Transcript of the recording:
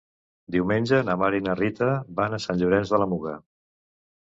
Diumenge na Mar i na Rita van a Sant Llorenç de la Muga.